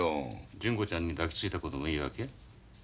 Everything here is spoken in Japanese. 純子ちゃんに抱きついたこともいいわけ？